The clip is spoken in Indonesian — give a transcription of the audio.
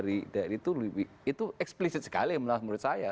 itu eksplisit sekali menurut saya